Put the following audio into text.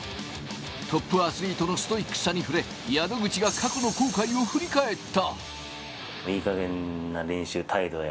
トップアスリートのストイックさに触れ、宿口が過去の後悔を振り返った。